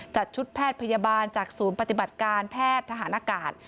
จัดชุดแพทย์พยาบาลจากศูนย์ปฏิบัติการแพทย์ทหารอากาศ